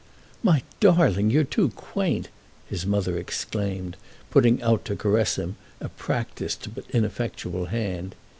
"My darling, you're too quaint!" his mother exclaimed, putting out to caress him a practised but ineffectual hand.